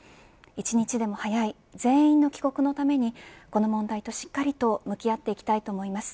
１日でも早い全員の帰国のためにこの問題としっかりと向き合っていきたいと思います。